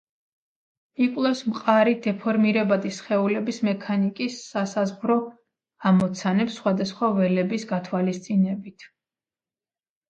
იკვლევს მყარი დეფორმირებადი სხეულების მექანიკის სასაზღვრო ამოცანებს სხვადასხვა ველების გათვალისწინებით.